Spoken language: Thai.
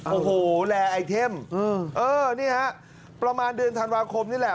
โอ้โหแลไอเทมเออนี่ฮะประมาณเดือนธันวาคมนี่แหละ